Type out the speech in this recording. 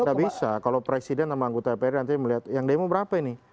tidak bisa kalau presiden sama anggota dprd nanti melihat yang demo berapa ini